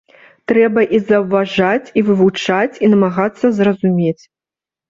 Трэба і заўважаць, і вывучаць, і намагацца зразумець.